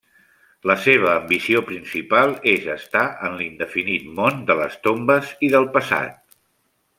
La seva ambició principal és estar en l'indefinit món de les tombes i del passat.